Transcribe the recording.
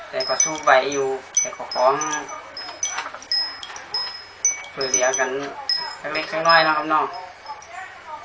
แต่ก็สู้ใบอยู่แต่ก็ความสวยเหลี่ยกันสักเล็กสักหน่อยนะครับเนาะ